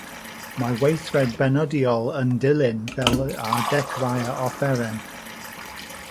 Mae weithred benydiol yn dilyn, fel ar ddechrau'r Offeren.